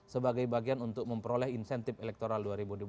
sebagai bagian untuk memperoleh insentif elektoral dua ribu dua puluh